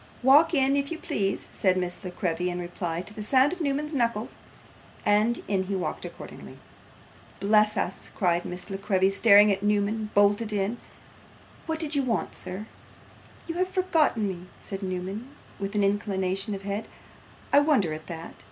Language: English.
'Walk in if you please,' said Miss La Creevy in reply to the sound of Newman's knuckles; and in he walked accordingly. 'Bless us!' cried Miss La Creevy, starting as Newman bolted in; 'what did you want, sir?' 'You have forgotten me,' said Newman, with an inclination of the head. 'I wonder at that.